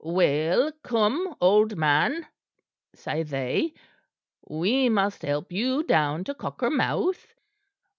"'Well, come, old man,' say they, 'we must help you down to Cockermouth.'